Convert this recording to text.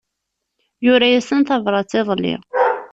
Yura-asen tabrat iḍelli.